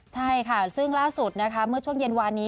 ใช่ค่ะซึ่งล่าสุดนะคะเมื่อช่วงเย็นวานนี้